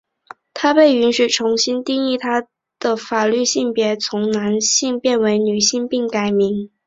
她被允许重新定义她的法律性别从男性变为女性并改名。